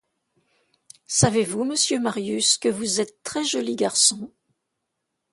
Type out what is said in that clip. Savez-vous, monsieur Marius, que vous êtes très joli garçon?